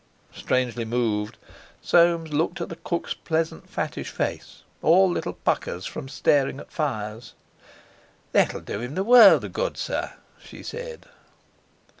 Strangely moved, Soames looked at the Cook's pleasant fattish face, all little puckers from staring at fires. "That'll do him a world of good, sir," she said.